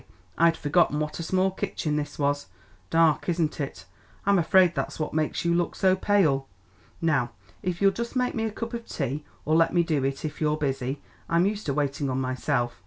I'd forgotten what a small kitchen this was. Dark, isn't it? I'm afraid that's what makes you look so pale. Now if you'll just make me a cup of tea or let me do it if you're busy; I'm used to waiting on myself.